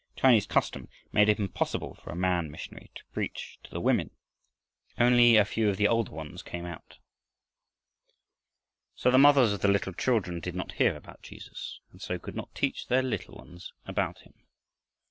Chinese custom made it impossible for a man missionary to preach to the women. Only a few of the older ones came out. So the mothers of the little children did not hear about Jesus and so could not teach their little ones about him.